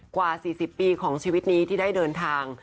กว่า๔๐ปีของชีวิตนี้ที่ได้เดินทาง